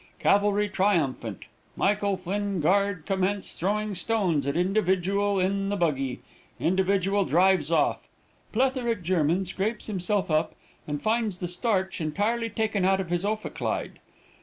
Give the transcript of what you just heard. Cavalry triumphant. Michael Flinn Guard commence throwing stones at individual in the buggy. Individual drives off. Plethoric German scrapes himself up, and finds the starch entirely taken out of his ophicleide.